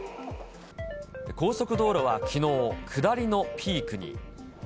高速道路はきのう、下りのピークに。